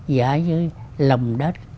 giả dưới lầm đất